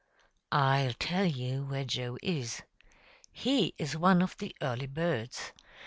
I'll tell you where Joe is. He is one of the early birds.